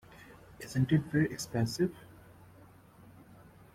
Isn’t it very expressive?